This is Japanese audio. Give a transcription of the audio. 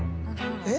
え？